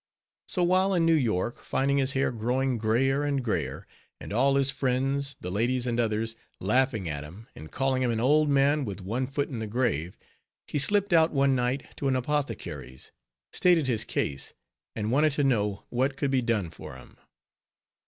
So while in New York, finding his hair growing grayer and grayer, and all his friends, the ladies and others, laughing at him, and calling him an old man with one foot in the grave, he slipt out one night to an apothecary's, stated his case, and wanted to know what could be done for him.